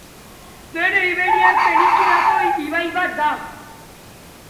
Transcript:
Duero Iberiar penintsulako ibai bat da.